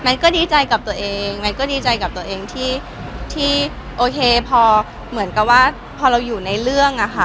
ก็ดีใจกับตัวเองแมทก็ดีใจกับตัวเองที่โอเคพอเหมือนกับว่าพอเราอยู่ในเรื่องอะค่ะ